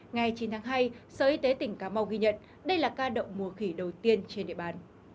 ngày chín tháng hai sở y tế tỉnh cà mau ghi nhận đây là ca động mùa khỉ đầu tiên trên địa bàn